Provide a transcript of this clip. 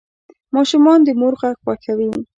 ماشومان د مور غږ خوښوي.